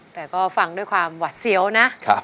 แต่ก็ฟังด้วยความหวัดเสียวนะ